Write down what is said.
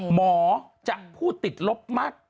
หมอจะพูดติดลบมาก